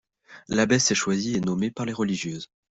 L’abbesse est choisie et nommée par les religieuses.